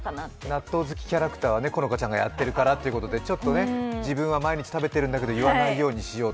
納豆好きキャラクターは好花ちゃんがやってるからって自分は毎日食べているんだけど、言わないようにしようと。